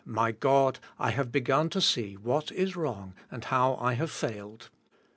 My God, I have beg un to see what is wrong and how I have failed.